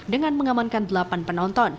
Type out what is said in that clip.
dengan mengamankan delapan penonton